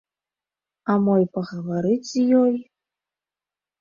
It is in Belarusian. А мо і пагаварыць з ёй?